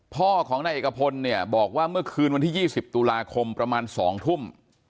พ่อของนายเอกพลเนี่ยบอกว่าเมื่อคืนวันที่๒๐ตุลาคมประมาณ๒ทุ่ม